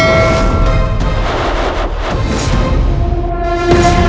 artikel yang hilang di beberapa percaya betul itu